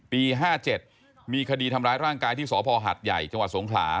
๕๗มีคดีทำร้ายร่างกายที่สพหัดใหญ่จังหวัดสงขลา